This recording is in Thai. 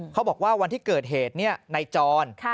เขาบอกว่าวันที่เกิดเหตุในจร